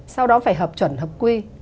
sau đó phải hợp chuẩn hợp quy